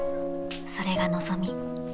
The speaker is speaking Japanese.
［それが望み］